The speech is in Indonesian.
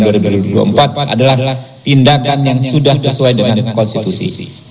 adalah tindakan yang sudah sesuai dengan konstitusi